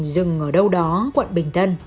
dừng ở đâu đó quận bình tân